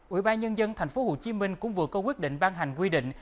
ủy ban nhân dân tp hcm cũng vừa có quyết định ban hành quy định